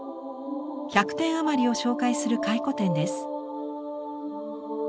１００点余りを紹介する回顧展です。